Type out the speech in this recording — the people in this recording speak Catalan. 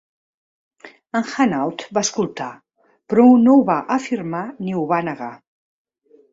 En Hanaud va escoltar, però no ho va afirmar ni ho va negar.